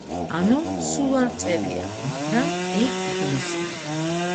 ანუ, სულ არ წერია, მაგრამ ეგ იგულისხმება.